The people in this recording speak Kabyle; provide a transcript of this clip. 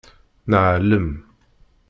Neɛlem.